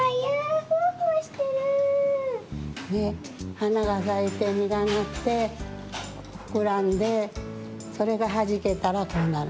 はながさいてみがなってふくらんでそれがはじけたらこうなるの。